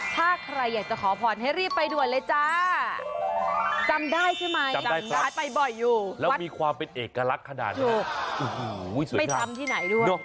ถ้าใครอยากจะขอพรให้รีบไปด่วนเลยจ้าจำได้ใช่ไหมจำได้ไปบ่อยอยู่แล้วมีความเป็นเอกลักษณ์ขนาดนี้โอ้โหไม่จำที่ไหนด้วย